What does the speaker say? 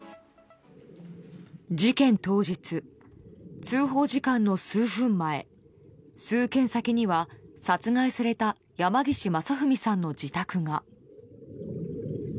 事件当日、通報時間の数分前数軒先には殺害された山岸正文さんの自宅が。